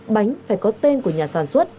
bánh phải có tên của nhà sản xuất